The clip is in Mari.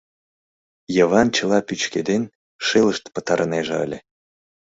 Йыван, чыла пӱчкеден, шелышт пытарынеже ыле.